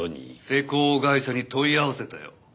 施工会社に問い合わせたよ。